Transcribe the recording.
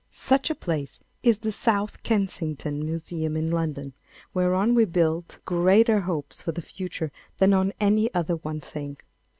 Such a place is the South Kensington Museum in London, whereon we build greater hopes for the future than on any other one thing.